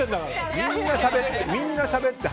みんなしゃべって。